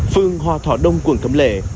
phương hòa thọ đông quận cẩm lệ